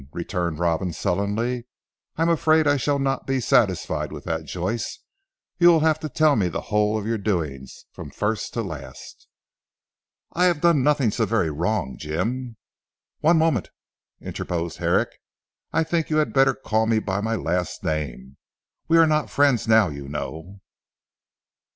returned Robin sullenly. "I am afraid I shall not be satisfied with that Joyce. You will have to tell me the whole of your doings, from first to last." "I have done nothing so very wrong Jim " "One moment," interposed Herrick, "I think you had better call me by my last name. We are not friends now you know."